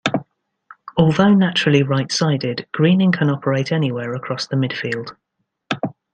Although naturally right-sided, Greening can operate anywhere across the midfield.